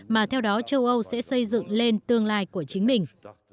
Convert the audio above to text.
mà theo đó châu âu sẽ xây dựng lên tương lai của chính mình